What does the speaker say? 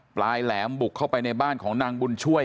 ปลายแหลมบุกเข้าไปในบ้านของนางบุญช่วย